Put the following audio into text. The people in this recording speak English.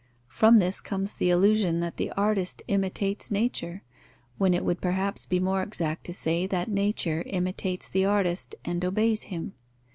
From this comes the illusion that the artist imitates nature; when it would perhaps be more exact to say that nature imitates the artist, and obeys him.